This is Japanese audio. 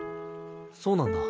そうなんだ。